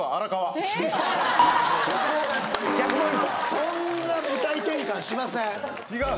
そんな舞台転換しません違う？